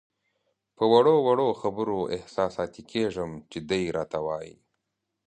په وړو وړو خبرو احساساتي کېږم چې دی راته وایي.